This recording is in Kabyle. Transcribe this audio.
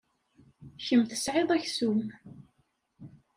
Kemm tesɛid aksum.